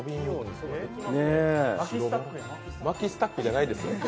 「マキスタック」じゃないですよ。